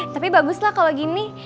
tapi bagus lah kalau gini